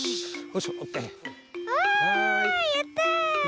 あやった！